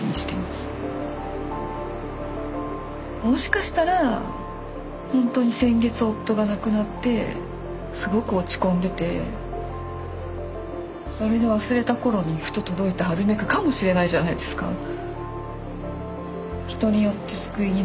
もしかしたらほんとに先月夫が亡くなってすごく落ち込んでてそれで忘れた頃にふと届いた「ハルメク」かもしれないじゃないですか。